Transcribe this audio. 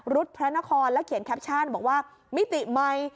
พระนครแล้วเขียนแคปชั่นบอกว่ามิติใหม่